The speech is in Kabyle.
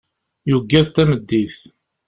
Yuggad tameddit.